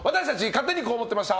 勝手にこう思ってました！